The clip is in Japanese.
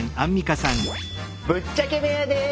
ぶっちゃけ部屋です。